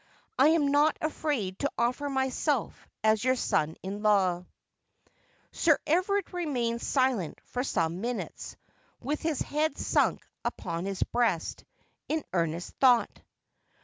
I am not afraid to offer myself as your son in law.' Sir Everard remained silent for some minutes, with his head sunk upon his breast, in earnest thought.